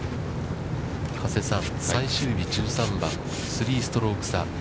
加瀬さん、最終日、１３番、３ストローク差。